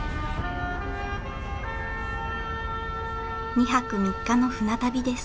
２泊３日の船旅です。